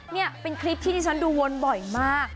นี่เป็นคลิปที่ที่ฉันดูวนบ่อยมาก